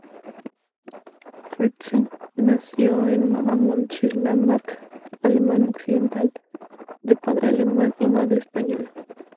Frentzen nació en Mönchengladbach, Alemania Occidental, de padre alemán y madre española.